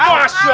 ada apa ini